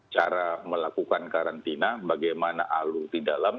cara melakukan karantina bagaimana alur di dalam